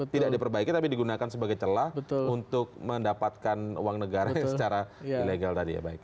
tidak diperbaiki tapi digunakan sebagai celah untuk mendapatkan uang negara secara ilegal tadi ya